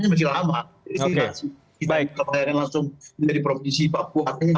kita bayarin langsung dari provinsi papua